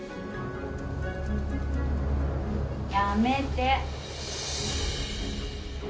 やめて。